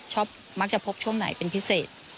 มักจะพบช่วงไหนเป็นพิเศษ